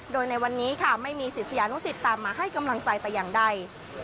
โดยในวันนี้ค่ะไม่มีศิษยานุสิตตามมาให้กำลังใจแต่อย่างใด